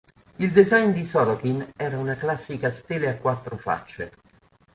Il design di Sorokin era una classica stele a quattro facce.